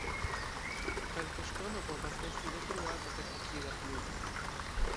Kalkoŝtono povas esti detruata per acida pluvo.